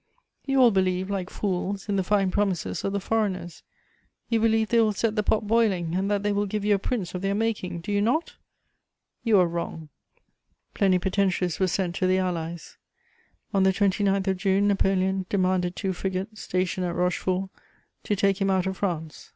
You all believe, like fools, in the fine promises of the foreigners; you believe they will set the pot boiling, and that they will give you a prince of their making, do you not? You are wrong." Plenipotentiaries were sent to the Allies. On the 29th of June, Napoleon demanded two frigates, stationed at Rochefort, to take him out of France.